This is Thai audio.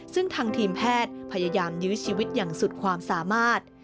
ซึ่งทางทีมแพทย์พยายามยื้อชีวิตอย่างสุดความสามารถ